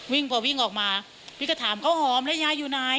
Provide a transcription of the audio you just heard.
พอวิ่งออกมาพี่ก็ถามเขาหอมแล้วยายอยู่ไหน